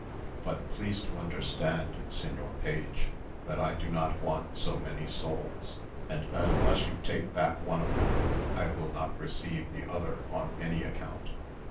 But please to understand, Señor Page, that I do not want so many souls; and that unless you take back one of them, I will not receive the other on any account.